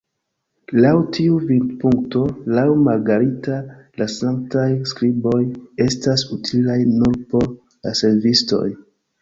Laŭ tiu vidpunkto, laŭ Margarita la Sanktaj Skriboj estas utilaj nur por la servistoj.